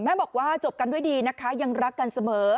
แม่บอกว่าโดยดีนะค่ะยังรักกันเสมอ